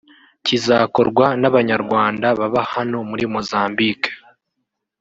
kizakorwa n’Abanyarwanda baba hano muri Mozambique